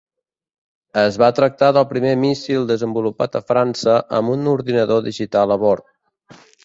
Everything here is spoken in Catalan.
Es va tractar del primer míssil desenvolupat a França amb un ordinador digital de bord.